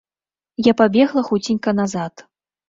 Я пабегла хуценька назад.